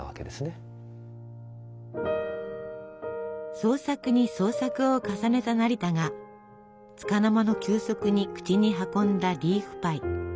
創作に創作を重ねた成田がつかの間の休息に口に運んだリーフパイ。